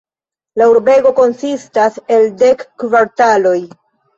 La urbego konsistas el dek kvartaloj.